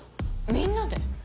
みんなで？